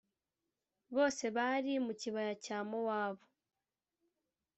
bose bari mu kibaya cya mowabu.